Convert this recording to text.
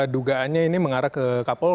dugaannya ini mengarah ke kasus yang ke enam